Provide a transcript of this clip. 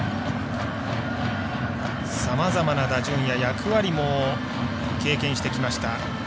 さまざまな打順や役割も経験してきました